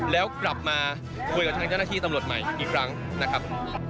แล้วกลับมาคุยกับทางเจ้าหน้าที่ตำรวจใหม่อีกครั้งนะครับ